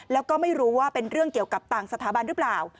แล้วก็ไม่รู้ว่าเป็นเรื่องเกี่ยวกับต่างสถาบันหรือเปล่า